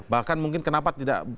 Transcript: bahkan mungkin kenapa tidak